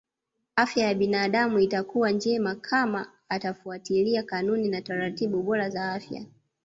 Afya ya binadamu itakuwa njema kama atafuatilia kanuni na taratibu bora za afya